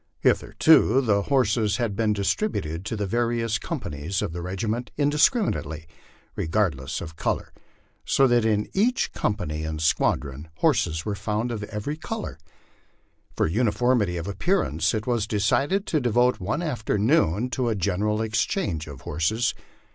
Hitherto the horses had been distri buted to the various companies of the regiment indiscriminately, regardless of color, so that in each company and squadron horses were found of every color For uniformity of appearance it was decided to devote one afternoon to a gen eral exchange of horses.